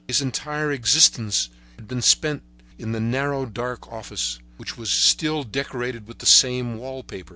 His entire existence had been spent in the narrow, dark office, which was still decorated with the same wall paper.